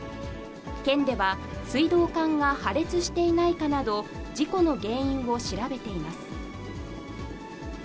県では水道管が破裂していないかなど、事故の原因を調べています。